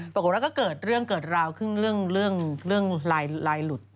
ปรากฏว่าก็เกิดเรื่องเกิดราวขึ้นเรื่องลายหลุด